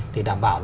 để đảm bảo